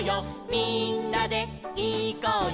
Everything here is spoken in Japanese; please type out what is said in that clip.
みんなでいこうよ」